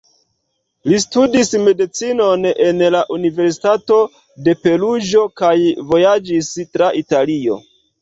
Li studis medicinon en la Universitato de Peruĝo kaj vojaĝis tra Italio.